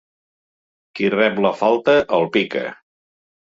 Qui rep la falta, el pica.